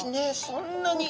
そんなに。